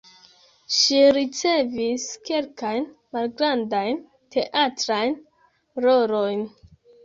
Ŝi ricevis kelkajn malgrandajn teatrajn rolojn.